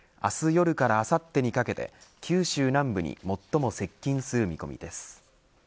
夜からあさってにかけて九州南部に最も接近する見込みです。